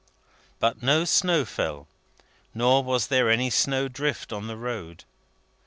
But no snow fell, nor was there any snow drift on the road.